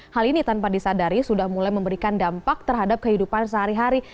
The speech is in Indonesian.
hal ini tanpa disadari sudah mulai memberikan dampak terhadap kehidupan sehari hari